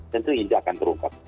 tentu ini akan berungkap